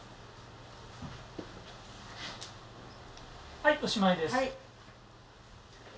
はいおしまいです。